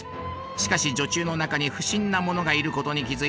しかし女中の中に不審な者がいることに気付いた内蔵助。